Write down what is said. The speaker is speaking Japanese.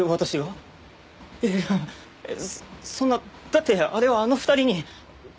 いやいやそんなだってあれはあの２人に。